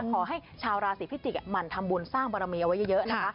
ขอให้ชาวราศีพิติกมันทำบุญสร้างปรมเมียไว้เยอะนะคะ